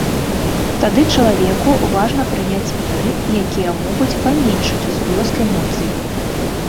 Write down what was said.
Тады чалавеку важна прыняць меры, якія могуць паменшыць усплёск эмоцый.